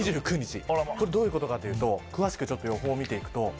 どういうことかというと詳しく予報を見ていきます。